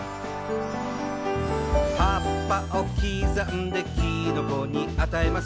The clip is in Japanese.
「葉っぱを刻んできのこにあたえます」